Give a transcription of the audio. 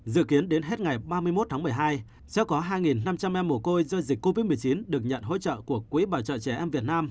dự kiến đến hết ngày ba mươi một tháng một mươi hai sẽ có hai năm trăm linh em mổ côi do dịch covid một mươi chín được nhận hỗ trợ của quỹ bảo trợ trẻ em việt nam